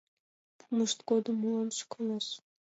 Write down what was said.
Пуымышт годым молан шӱкалаш...